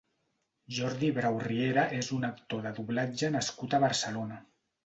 Jordi Brau Riera és un actor de doblatge nascut a Barcelona.